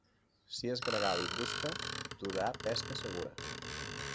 Si és gregal i brusca, durà pesca segura.